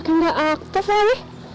pada awal gua udah pas